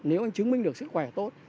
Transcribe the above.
nếu anh chứng minh được sức khỏe tốt